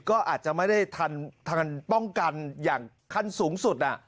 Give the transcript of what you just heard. ก็อาจจะไม่ได้ทันป้องกันอย่างขั้นสูงสุด